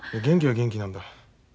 元気は元気なんだ。